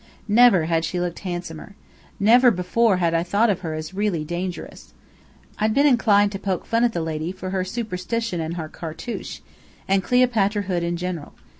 Never had she looked handsomer. Never before had I thought of her as really dangerous. I'd been inclined to poke fun at the lady for her superstition and her cartouche, and Cleopatra hood in general.